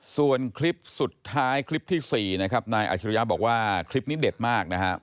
ส่วนคลิปสุดท้ายคลิปที่๔นะครับนายอาชิริยะบอกว่าคลิปนี้เด็ดมากนะครับ